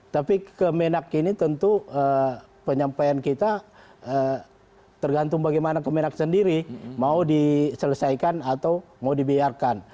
tapi kemenak ini tentu penyampaian kita tergantung bagaimana kemenak sendiri mau diselesaikan atau mau dibiarkan